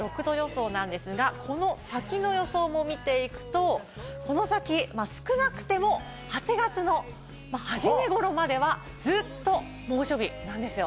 で、東京は３６度予想なんですが、この先の予想も見ていくと、この先、少なくても８月の初め頃まではずっと猛暑日なんですよ。